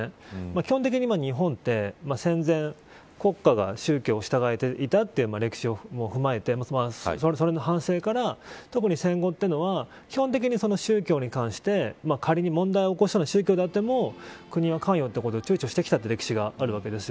基本的に日本って戦前国家が宗教を従えていたという歴史も踏まえてそれの反省から特に戦後というのは基本的に宗教に関して仮に、問題を起こす宗教であっても国は関与をちゅうちょしてきた歴史があるわけです。